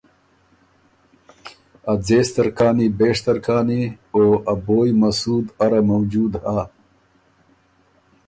ا ځېستر کانی بېشتر کانی او ا بویٛ مسود اره موجود هۀ۔